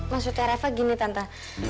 maksudnya reva gini tante